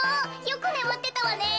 よくねむってたわね。